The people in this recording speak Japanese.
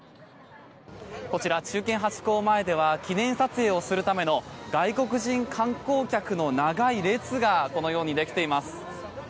こちら忠犬ハチ公前では記念撮影をするための外国人観光客の長い列がこのようにできています。